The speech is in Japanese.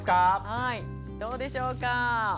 はいどうでしょうか。